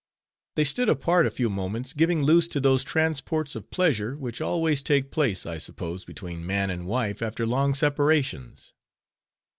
They stood apart a few moments giving loose to those transports of pleasure, which always take place, I suppose, between man and wife after long separations.